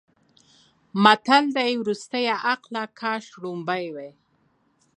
متل دی: ورستیه عقله کاش وړومبی وی.